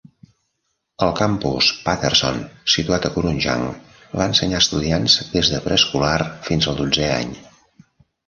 El campus Patterson, situat a Kurunjang, va ensenyar estudiants des de preescolar fins al dotzè any.